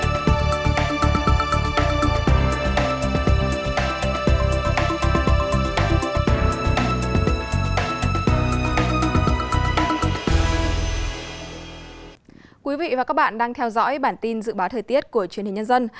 thưa quý vị và các bạn đang theo dõi bản tin dự báo thời tiết của truyền hình nhân dân